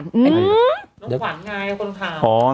น้องขวานไงคนข่าว